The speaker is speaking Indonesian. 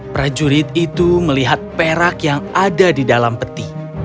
prajurit itu melihat perak yang ada di dalam peti